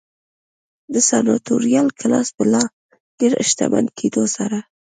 د سناتوریال کلاس په لا ډېر شتمن کېدو سره.